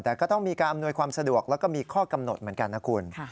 แต่ก็ต้องมีการอำนวยความสะดวกแล้วก็มีข้อกำหนดเหมือนกันนะคุณ